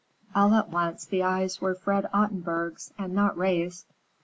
All at once the eyes were Fred Ottenburg's, and not Ray's.